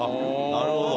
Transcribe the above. なるほど。